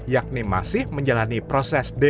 yakni masih menjalani peristiwa bom bunuh diri